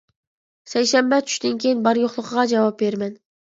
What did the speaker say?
سەيشەنبە چۈشتىن كېيىن بار-يوقلۇقىغا جاۋاب بېرىمەن!